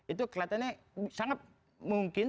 itu kelihatannya sangat mungkin